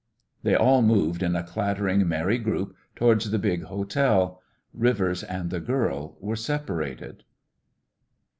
They all moved in a clattering, merry group towards the big hotel. Rivers and the girl were separated.